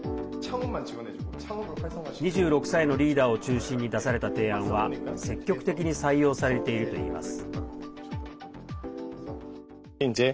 ２６歳のリーダーを中心に出された提案は積極的に採用されているといいます。